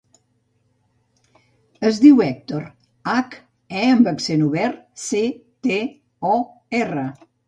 Es diu Hèctor: hac, e amb accent obert, ce, te, o, erra.